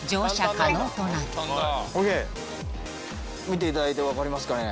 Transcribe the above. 見ていただいて分かりますかね。